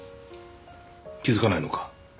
気づかないのか？